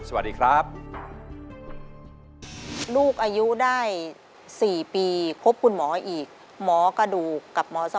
สวัสดีครับ